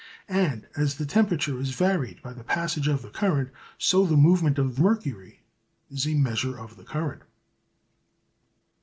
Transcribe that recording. And as the temperature is varied by the passage of the current, so the movement of the mercury is a measure of the current.